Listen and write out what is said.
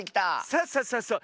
そうそうそうそう。